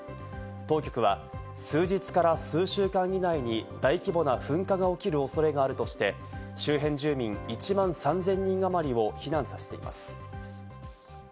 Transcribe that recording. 当局は、数日から数週間以内に大規模な噴火が起きる恐れがあるとして、周辺住民１万３０００人あまりを避難させています。